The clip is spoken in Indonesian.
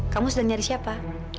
kamu sedang nyari siapa